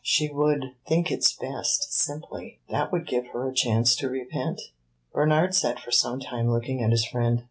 She would think it best, simply. That would give her a chance to repent." Bernard sat for some time looking at his friend.